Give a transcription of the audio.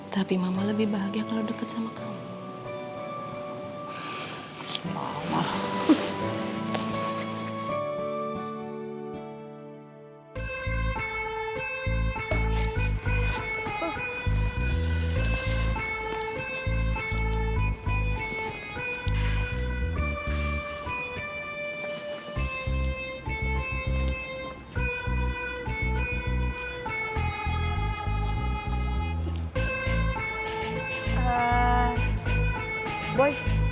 tapi mama lebih bahagia kalau dekat sama kamu